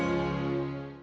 bener juga mas